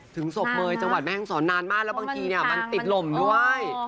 ศพเมย์จังหวัดแม่ห้องศรนานมากแล้วบางทีมันติดลมด้วย